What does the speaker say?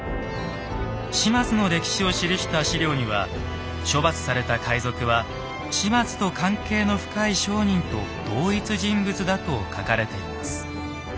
島津の歴史を記した史料には処罰された海賊は島津と関係の深い商人と同一人物だと書かれています。